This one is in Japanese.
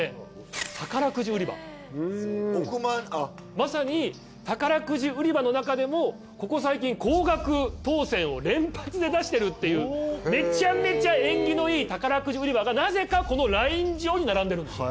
まさに宝くじ売り場のなかでもここ最近高額当選を連発で出してるっていうめちゃめちゃ縁起のいい宝くじ売り場がなぜかこのライン上に並んでるんですよ。